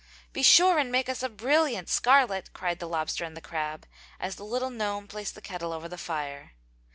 "Be sure and make us a brilliant scarlet!" cried the lobster and the crab, as the little gnome placed the kettle over the fire.